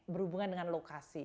berhubungan dengan lokasi